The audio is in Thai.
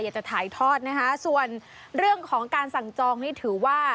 อยากจะถ่ายทอดนะคะส่วนเรื่องของการสั่งจองนี่ถือว่า